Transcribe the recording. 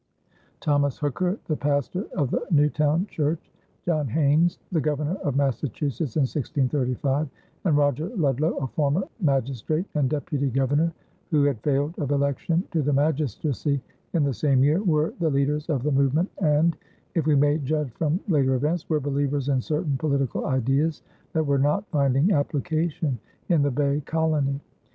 Thomas Hooker, the pastor of the Newtown church, John Haynes, the Governor of Massachusetts in 1635, and Roger Ludlow, a former magistrate and deputy governor who had failed of election to the magistracy in the same year, were the leaders of the movement and, if we may judge from later events, were believers in certain political ideas that were not finding application in the Bay Colony.